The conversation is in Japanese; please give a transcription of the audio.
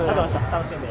楽しんで。